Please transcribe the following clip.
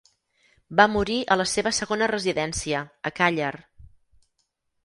Va morir a la seva segona residència, a Càller.